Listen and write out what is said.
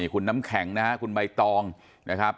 คุณน้ำแข็งนะครับคุณใบตองนะครับ